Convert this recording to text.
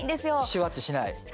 シュワッチしない？